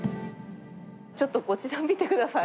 ちょっとこちら見てください。